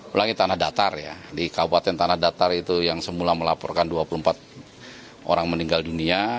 ulangi tanah datar ya di kabupaten tanah datar itu yang semula melaporkan dua puluh empat orang meninggal dunia